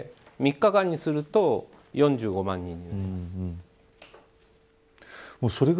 ３日間にすると４５万人になります。